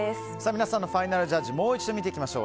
皆さんのファイナルジャッジもう一度見ていきましょう。